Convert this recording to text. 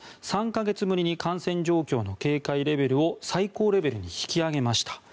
３か月ぶりに感染状況の警戒レベルを最高レベルに引き上げました。